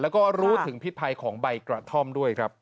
แล้วก็รู้ถึงพิภัยของใบกระท่อมด้วยครับ